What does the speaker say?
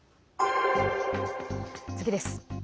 次です。